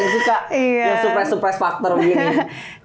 pager novel di indonesia tuh paling suka yang faktor kekejutan begini